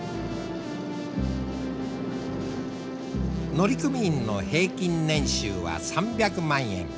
乗組員の平均年収は３００万円。